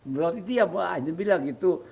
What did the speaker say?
berarti itu yang pak ajin bilang gitu